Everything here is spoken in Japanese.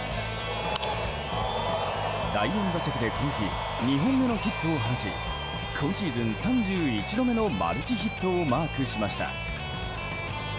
第４打席でこの日２本目のヒットを放ち今シーズン３１度目のマルチヒットをマークしました。